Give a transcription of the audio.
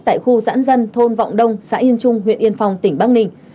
tại khu giãn dân thôn vọng đông xã yên trung huyện yên phong tỉnh bắc ninh